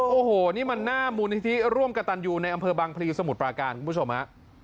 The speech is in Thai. โอ้โหนี่มันหน้ามูลนิธิร่วมกระตันยูในอำเภอบางพลีสมุทรปราการคุณผู้ชมฮะ